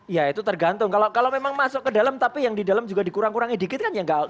ya itu tergantung kalau memang masuk ke dalam tapi yang di dalam juga dikurang kurangi dikit kan ya nggak